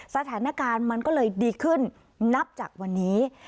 สถานการณ์มันก็เลยดีขึ้นนับจากวันนี้